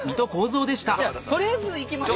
じゃあ取りあえず行きましょう。